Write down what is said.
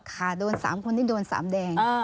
ค่ะโดน๓คนที่โดน๓แดง